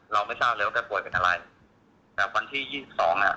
ไม่ทราบเลยว่าแกป่วยเป็นอะไรแต่วันที่ยี่สิบสองอ่ะ